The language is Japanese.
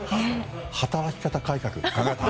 働き方改革。